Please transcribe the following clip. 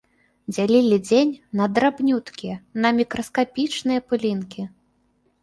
Дзялілі дзень на драбнюткія, на мікраскапічныя пылінкі.